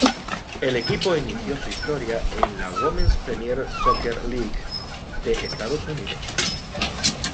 El equipo inició su historia en la Women's Premier Soccer League de Estados Unidos.